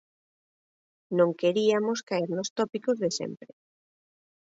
Non queriamos caer nos tópicos de sempre.